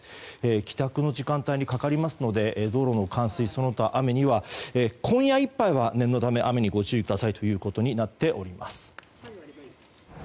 帰宅の時間帯にかかりますので道路の冠水、その他今夜いっぱいは念のため雨にご注意くださいということになっております。